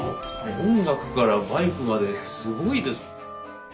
音楽からバイクまですごいです。